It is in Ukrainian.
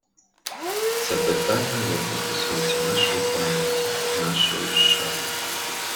Це питання, яке стосується нашої пам'яті, нашої шани.